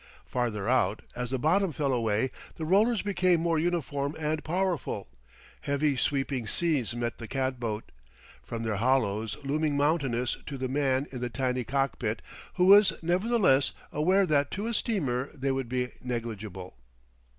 Farther out, as the bottom fell away, the rollers became more uniform and powerful; heavy sweeping seas met the cat boat, from their hollows looming mountainous to the man in the tiny cockpit; who was nevertheless aware that to a steamer they would be negligible.